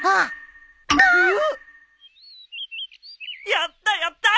やったやった！